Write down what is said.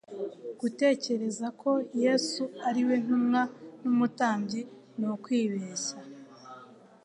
gutekereza ko yesu ari we ntumwa n umutambyi nukwibeshya